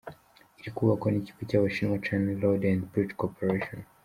Iri kubakwa n’ikigo cy’Abashinwa China Road and Bridge Corporation.